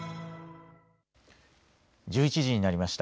１１時になりました。